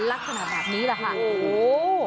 ลักษณะแบบนี้แหละค่ะโอ้โห